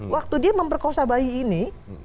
waktu dia memperkosa bayi ini